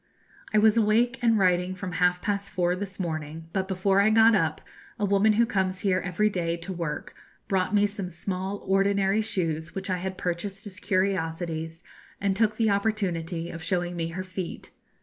I was awake and writing from half past four this morning, but before I got up, a woman who comes here every day to work brought me some small ordinary shoes which I had purchased as curiosities, and took the opportunity of showing me her feet.